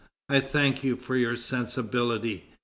I thank you for your sensibility.